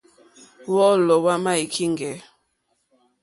Wɔ́ɔ̌lɔ̀ wá má í kíŋɡɛ̀.